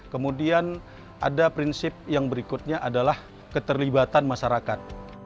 kemudian ada prinsip yang berikutnya adalah keterlibatan masyarakat